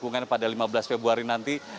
dukungan pada lima belas februari nanti